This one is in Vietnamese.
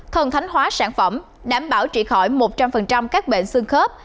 thuần thánh hóa sản phẩm đảm bảo trị khỏi một trăm linh các bệnh xương khớp